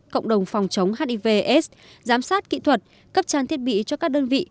cộng đồng phòng chống hiv aids giám sát kỹ thuật cấp trang thiết bị cho các đơn vị